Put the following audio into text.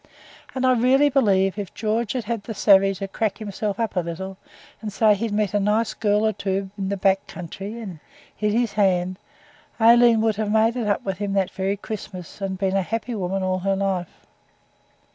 And I really believe if George had had the savey to crack himself up a little, and say he'd met a nice girl or two in the back country and hid his hand, Aileen would have made it up with him that very Christmas, and been a happy woman all her life.